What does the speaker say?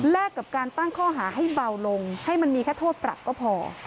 กับการตั้งข้อหาให้เบาลงให้มันมีแค่โทษปรับก็พอ